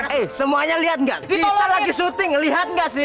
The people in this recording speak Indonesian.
hei eh semuanya liat gak kita lagi syuting liat gak sih